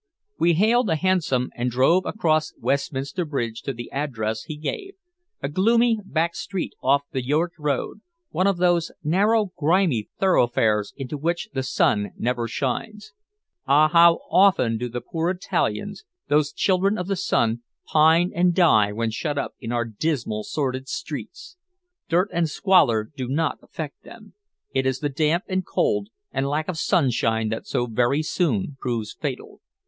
We hailed a hansom and drove across Westminster Bridge to the address he gave a gloomy back street off the York Road, one of those narrow, grimy thoroughfares into which the sun never shines. Ah, how often do the poor Italians, those children of the sun, pine and die when shut up in our dismal, sordid streets! Dirt and squalor do not affect them; it is the damp and cold and lack of sunshine that so very soon proves fatal.